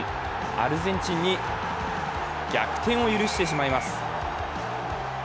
アルゼンチンに逆転を許してしまいます。